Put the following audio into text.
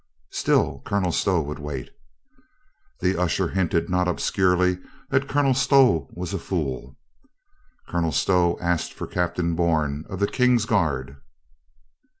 Still Colonel Stow would wait. The usher hinted not obscurely that Colonel Stow was a fool. Colonel Stow asked for Captain Bourne of the King's Guard.